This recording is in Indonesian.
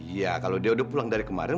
iya kalau dia udah pulang dari kemarin